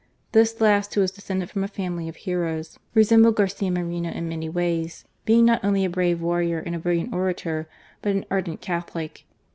This last who was descended from a family of heroes, resembled Garcia Morena in many ways, being not only a brave warrior, and a brilliant orator, but an ardent Catholic.